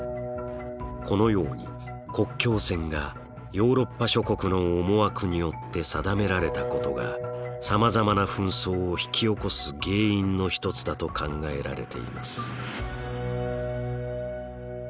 このように国境線がヨーロッパ諸国の思惑によって定められたことがさまざまな紛争を引き起こす原因の一つだと考えられています。